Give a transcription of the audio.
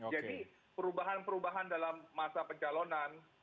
jadi perubahan perubahan dalam masa pencalonan